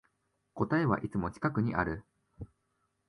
答えはいつも近くにある